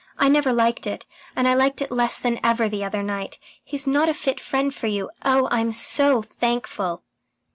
I never liked it, and I liked it less than ever the other night. He's not a fit friend for you. Oh, I'm so thankful!"